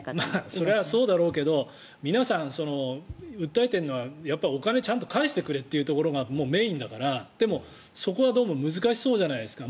それはそうだろうけど皆さん訴えているのはちゃんとお金を返してくれっていうのがメインだからでも、そこはどうも難しそうじゃないですか。